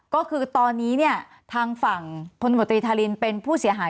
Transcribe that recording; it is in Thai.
ก็คือตอนนี้เนี่ยทางฝั่งพลโมตรีทารินเป็นผู้เสียหาย